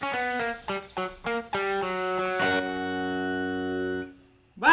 bisa baju gak